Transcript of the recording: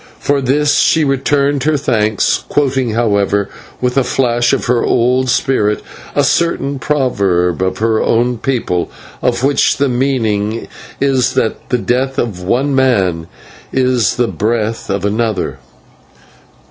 For this she returned her thanks, quoting, however, with a flash of her old spirit, a certain proverb of her own people, of which the meaning is that the death of one man is the breath of another.